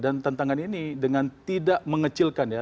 dan tantangan ini dengan tidak mengecilkan ya